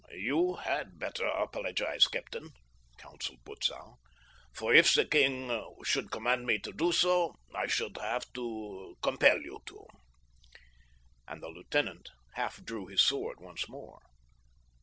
"You had better apologize, captain," counseled Butzow, "for if the king should command me to do so I should have to compel you to," and the lieutenant half drew his sword once more.